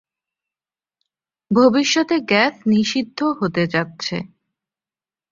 ভবিষ্যতে গ্যাস নিষিদ্ধ হতে যাচ্ছে।